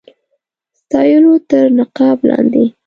ستایلو تر نقاب لاندي.